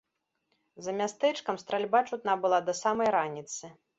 За мястэчкам стральба чутна была да самай раніцы.